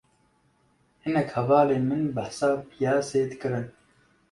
Hinek hevalên min behsa piyasê dikirin